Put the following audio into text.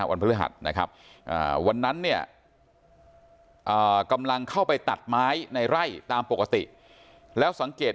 พฤหัสนะครับวันนั้นเนี่ยกำลังเข้าไปตัดไม้ในไร่ตามปกติแล้วสังเกต